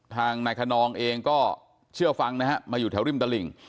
ทางนายคนนองเองก็เชื่อฟังนะฮะมาอยู่แถวริมตลิ่ง